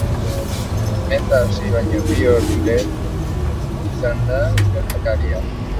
Meza hasi baino bi ordu lehenago izan da gertakaria.